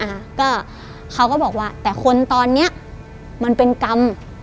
นะคะก็เขาก็บอกว่าแต่คนตอนเนี้ยมันเป็นกรรม